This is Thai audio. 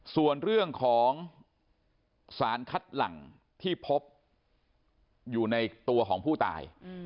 ส่วนเรื่องของสารคัดหลังที่พบอยู่ในตัวของผู้ตาย